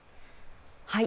はい。